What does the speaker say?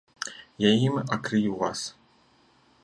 Я ім акрыю вас.